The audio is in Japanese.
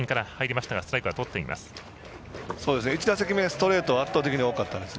１打席目、ストレートが圧倒的に多かったんです。